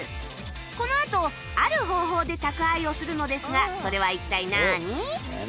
このあとある方法で宅配をするのですがそれは一体なあに？